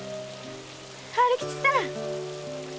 春吉さん！